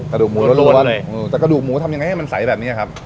กระดูกหมูรวดรวดเลยแต่กระดูกหมูทำยังไงให้มันใสแบบเนี้ยครับ